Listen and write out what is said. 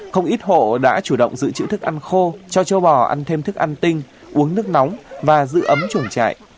không ít hộ đã chủ động giữ chữ thức ăn khô cho châu bò ăn thêm thức ăn tinh uống nước nóng và giữ ấm chuồng trại